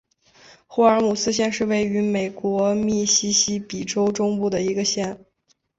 霍尔姆斯县是位于美国密西西比州中部的一个县。